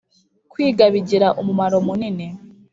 kwiga bigira umumaro munini